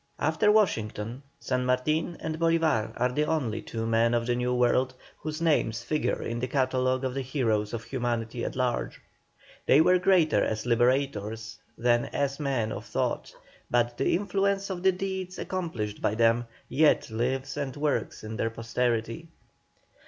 After Washington, San Martin and Bolívar are the only two men of the New World whose names figure in the catalogue of the heroes of humanity at large. They were greater as liberators than as men of thought, but the influence of the deeds accomplished by them yet lives and works in their posterity.